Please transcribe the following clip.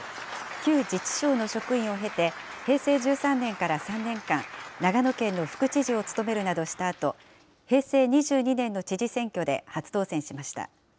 旧・自治省の職員を経て、平成１３年から３年間、長野県の副知事を務めるなどしたあと、平成２２年の知事選挙で初当選しました。